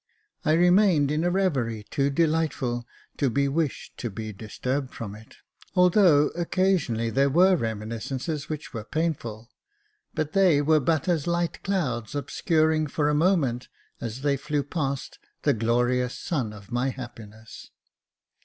I remained in a reverie too delightful to be wished to be disturbed from it, although occasionally there were reminiscences which were painful •, but they were but as light clouds, obscuring for a moment, as they flew past, the glorious sun of my happiness.